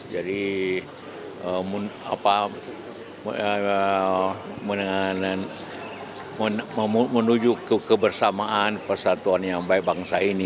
jadi menuju kebersamaan persatuan yang baik bangsa ini